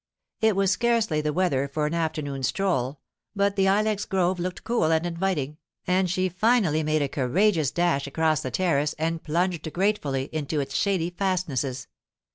It was scarcely the weather for an afternoon stroll, but the ilex grove looked cool and inviting, and she finally made a courageous dash across the terrace and plunged gratefully into its shady fastnesses.